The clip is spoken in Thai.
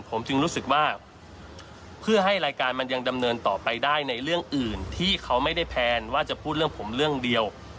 ผมจึงรู้สึกว่าเพื่อให้รายการมันยังดำเนินต่อไปได้ในเรื่องอื่นที่เขาไม่ได้แพลนว่าจะพูดเรื่องผมเรื่องเดียว